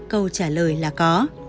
câu trả lời là có